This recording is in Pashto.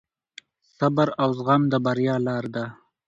صبر او زغم د بریا لار ده.